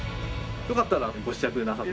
よかったらご試着なさって。